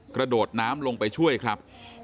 กระโดดน้ำลงไปช่วยครับ